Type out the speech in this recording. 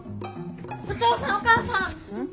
お父さんお母さん！